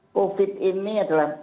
covid ini adalah